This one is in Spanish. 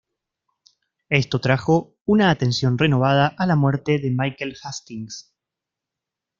Esto trajo una atención renovada a la muerte de Michael Hastings.